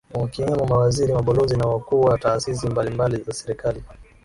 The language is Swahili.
wakiwemo Mawaziri Mabalozi na Wakuu wa Taasisi mbalimbali za Serikali